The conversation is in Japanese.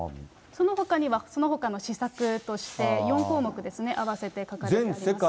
そのほかには、そのほかの施策として、４項目ですね、併せて書かれてあります。